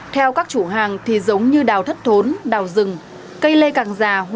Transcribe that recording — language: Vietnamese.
theo các chủ hàng thì giống như đào thất thốn đào rừng